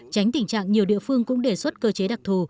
tránh tình trạng nhiều địa phương cũng đề xuất cơ chế đặc thù